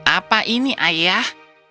apa ini ayah